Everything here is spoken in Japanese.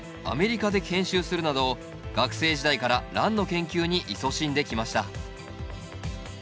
アメリカで研修するなど学生時代からランの研究にいそしんできました。